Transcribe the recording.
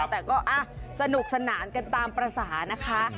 แต่ก็สนุกสนานกันตามภาษานะคะ